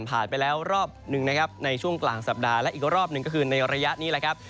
ผ่านไปแล้วรอบหนึ่งนะครับในช่วงกลางสัปดาห์และอีกรอบหนึ่งก็คือในระยะนี้แหละครับ